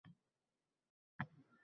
yoʼq